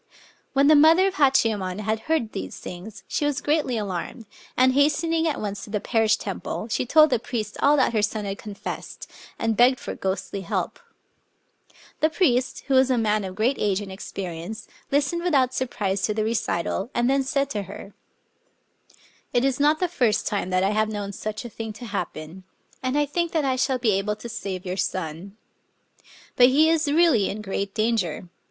When the mother of Hachiyemon had heard these things, she was greatly alarmed; and, hast ening at once to the parish temple, she told the priest all that her son had confessed, and begged for ghostly help. The priest, who was a man of great age and experience, listened without surprise to the recital, and then said to her :—" It is not the first time that I have known such a thing to happen; and I think that I shall Digitized by Googk 52 THE STORY OF 0 KAM£ be able to save your son. But he is really in great danger.